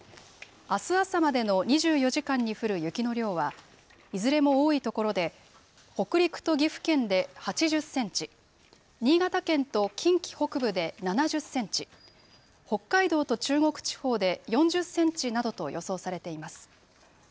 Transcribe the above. あす朝までの２４時間に降る雪の量はいずれも多い所で、北陸と岐阜県で８０センチ、新潟県と近畿北部で７０センチ、北海道と中国地方で４０センチなどと予想されています。